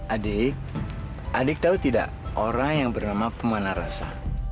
adik adik tau tidak orang yang bernama pemanah rasa